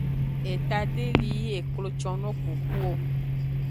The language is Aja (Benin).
Eta de li yi eklo conno kuku o.